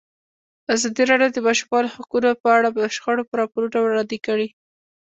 ازادي راډیو د د ماشومانو حقونه په اړه د شخړو راپورونه وړاندې کړي.